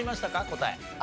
答え。